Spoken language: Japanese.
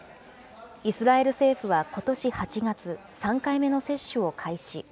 イスラエル政府はことし８月、３回目の接種を開始。